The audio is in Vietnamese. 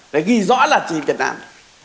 đấy ghi rõ là chỉ việt nam